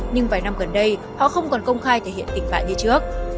nhưng vài năm gần đây họ không còn công khai thể hiện tình bạ như trước